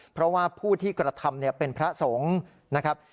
เพราะว่าผู้ที่กระทำเป็นพระสงฆ์นะครับ